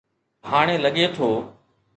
هاڻي لڳي ٿو